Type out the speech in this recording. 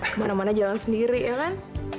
kemana mana jalan sendiri ya kan